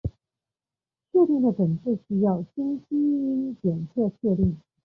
确定的诊治需要经基因检测确定。